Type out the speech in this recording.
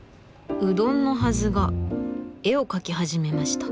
うどんのはずが絵を描き始めました。